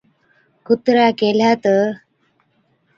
ڪُتري ڪيهلَي تہ،